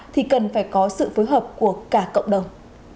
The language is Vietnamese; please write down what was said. thì cần phải có sự phối hợp của cả cộng đồng